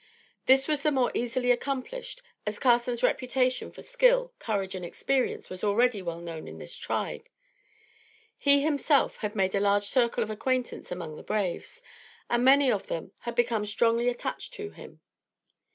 This was the more easily accomplished as Carson's reputation for skill, courage and experience was already well known in this tribe. He, himself, had made a large circle of acquaintance among the braves, and many of them had become strongly attached to him.